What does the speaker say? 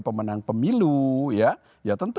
pemenang pemilu ya ya tentu